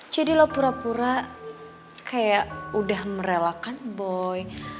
jadi lo pura pura kayak udah merelakan boy